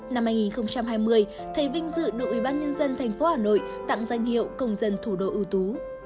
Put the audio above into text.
năm hai nghìn hai mươi thầy vinh dự đội bán nhân dân thành phố hà nội tặng danh hiệu công dân thủ đô ưu tú